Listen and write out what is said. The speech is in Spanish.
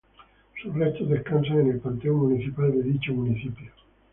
Sus restos descansan en el panteón municipal de dicho municipio